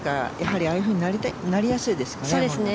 ああいうふうになりやすいですかね？